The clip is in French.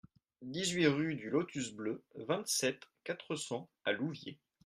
dix-huit rue du Lotus Bleu, vingt-sept, quatre cents à Louviers